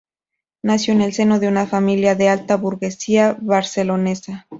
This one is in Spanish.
Nació en el seno de una familia de la alta burguesía barcelonesa.